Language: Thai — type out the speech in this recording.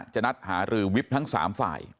จะนัดหารือวิฟทั้งสามฝ่าย